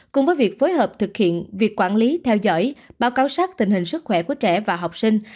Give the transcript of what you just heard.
cùng với việc phối hợp thực hiện việc quản lý theo dõi báo cáo sát tình hình sức khỏe của trẻ và học sinh